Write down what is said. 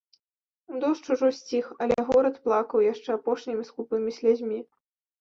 Дождж ужо сціх, але горад плакаў яшчэ апошнімі скупымі слязьмі.